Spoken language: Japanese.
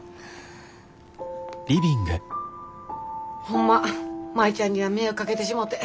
ホンマ舞ちゃんには迷惑かけてしもて。